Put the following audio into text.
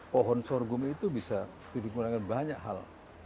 pohon sorghum itu bisa dimulai dengan banyak hal